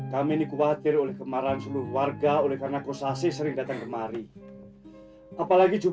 kami ini khawatir oleh kemarahan seluruh warga oleh karena kosasi sering datang kemari